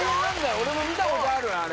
俺も見たことある。